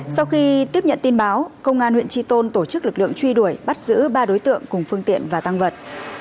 sau khi tiếp nhận tin báo công an huyện tri tôn tổ chức lực lượng truy đuổi bắt giữ ba đối tượng cùng phương tiện và tăng vật